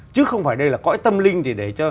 chứ không phải đây là cõi tâm linh để